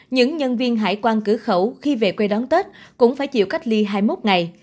những nhân viên hải quan cửa khẩu khi về quê đón tết cũng phải chịu cách ly hai mươi một ngày